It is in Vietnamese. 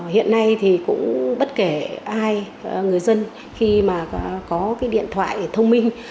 hiện nay bất kể ai người dân khi có điện thoại thông minh